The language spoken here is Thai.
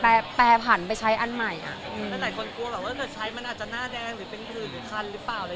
แล้วไหนคนกลัวว่าเกิดใช้มันอาจจะหน้าแดงหรือเป็นพืชหรือคันหรือเปล่า